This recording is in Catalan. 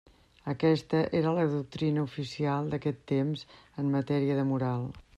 Aquesta era la doctrina oficial d'aquest temps en matèria de moral.